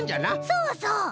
そうそう。